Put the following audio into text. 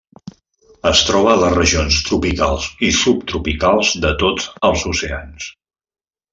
Es troba a les regions tropicals i subtropicals de tots els oceans.